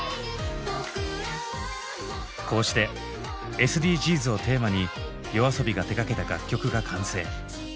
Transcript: こうして「ＳＤＧｓ」をテーマにＹＯＡＳＯＢＩが手がけた楽曲が完成。